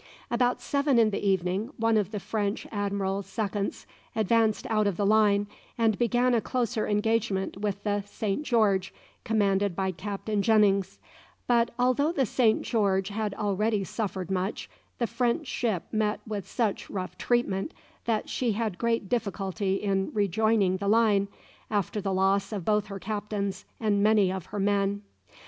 About seven in the evening, one of the French admiral's seconds advanced out of the line, and began a closer engagement with the "Saint George," commanded by Captain Jennings; but, although the "Saint George" had already suffered much, the French ship met with such rough treatment that she had great difficulty in rejoining the line, after the loss of both her captains and many of her men.